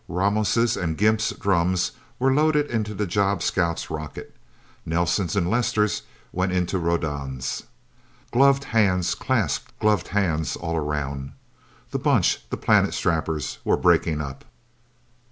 Ramos' and Gimp's drums were loaded into the job scout's rocket. Nelsen's and Lester's went into Rodan's. Gloved hands clasped gloved hands all around. The Bunch, the Planet Strappers, were breaking up.